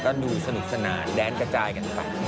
ก็ดูสนุกสนานแดนกระจายกันไป